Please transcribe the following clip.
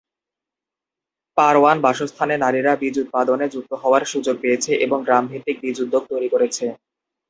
পারওয়ান-বাসস্থানে নারীরা বীজ উৎপাদনে যুক্ত হওয়ার সুযোগ পেয়েছে এবং "গ্রাম ভিত্তিক বীজ উদ্যোগ" তৈরি করেছে।